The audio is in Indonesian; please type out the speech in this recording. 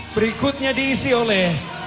berikutnya diisi oleh